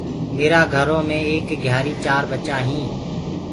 ميرآ گهرو مي ايڪ گهيآري چآر ٻچا هينٚ۔